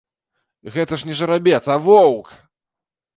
Гэта ж не жарабец, а воўк!